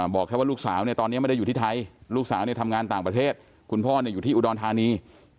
บอกแค่ว่าลูกสาวเนี่ยตอนนี้ไม่ได้อยู่ที่ไทยลูกสาวเนี่ยทำงานต่างประเทศคุณพ่ออยู่ที่อุดรธานี